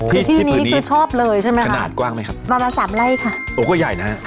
คือที่นี้คือชอบเลยใช่ไหมคะประมาณ๓ไร่ค่ะโอ๊ยก็ใหญ่นะ